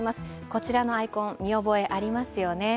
こちらのアイコン、見覚えありますよね。